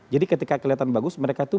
jadi ketika kelihatan bagus mereka itu